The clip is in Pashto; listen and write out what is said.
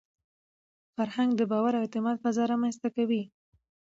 فرهنګ د باور او اعتماد فضا رامنځته کوي.